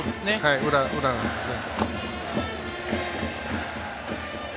裏なんでね。